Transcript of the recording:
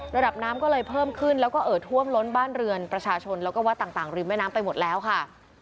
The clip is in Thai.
ระดับน้ำก็เลยเพิ่มขึ้นแล้วก็เอ่อท่วมล้นบ้านเรือนประชาชนแล้วก็วัดต่างริมแม่น้ำไปหมดแล้วค่ะ